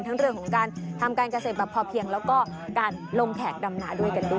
เรื่องของการทำการเกษตรแบบพอเพียงแล้วก็การลงแขกดำนาด้วยกันด้วย